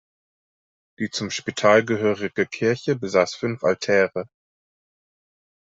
Die zum Spital gehörige Kirche besaß fünf Altäre.